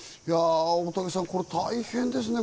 大竹さん、大変ですね。